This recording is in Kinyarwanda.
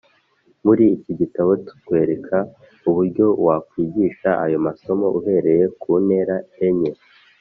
Muri iki gitabo tukwereka uburyo wakwigisha ayo masomo uhereye ku ntera enye